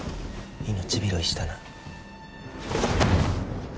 命拾いしたな。